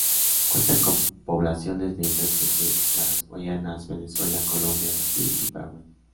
Cuentan con poblaciones de esta especie las Guayanas, Venezuela, Colombia, Brasil y Paraguay.